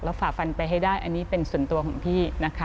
ฝ่าฟันไปให้ได้อันนี้เป็นส่วนตัวของพี่นะคะ